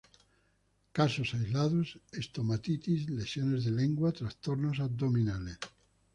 Casos aislados: Estomatitis, lesiones de lengua, trastornos abdominales.